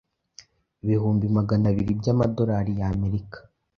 ibihumbi magana biriby’ama dolari y’Amerika,